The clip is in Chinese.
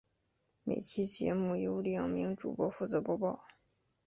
每期节目由两名主播负责播报。